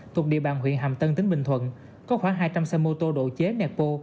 thuộc địa bàn huyện hàm tân tỉnh bình thuận có khoảng hai trăm linh xe mô tô độ chế nẹt bô